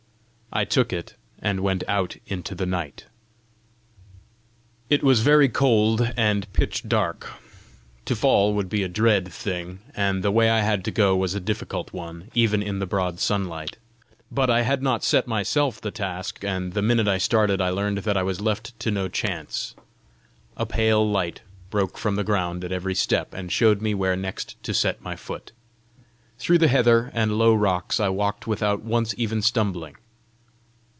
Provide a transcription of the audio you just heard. I took it, and went out into the night. It was very cold, and pitch dark. To fall would be a dread thing, and the way I had to go was a difficult one even in the broad sunlight! But I had not set myself the task, and the minute I started I learned that I was left to no chance: a pale light broke from the ground at every step, and showed me where next to set my foot. Through the heather and the low rocks I walked without once even stumbling.